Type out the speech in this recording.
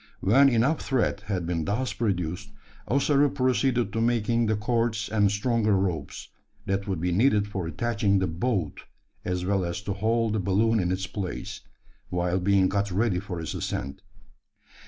When enough thread had been thus produced, Ossaroo proceeded to making the cords and stronger ropes, that would be needed for attaching the "boat" as well as to hold the balloon in its place, while being got ready for its ascent.